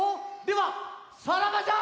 ではさらばじゃ！